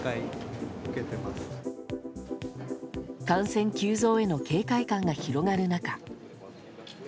感染急増への警戒感が広がる中